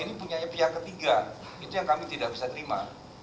ini punya pihak ketiga itu yang kami tidak bisa terima